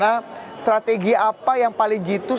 karena strategi apa yang paling jitus